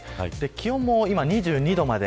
気温も今、２２度まで